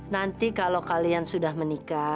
nanti kalau kalian sudah menikah